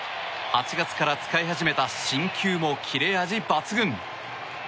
８月から使い始めた新球も切れ味抜群。